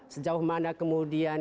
sejauh mana kemudian